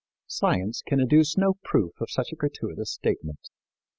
Science can adduce no proof of such a gratuitous statement.